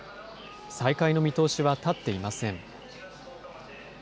再開の見通しは立っていません。